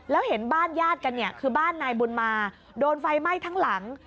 แล้วเห็นบ้านญาติกันเนี่ยคือบ้านนายบุญมาโดนไฟไหม้ทั้งหลัง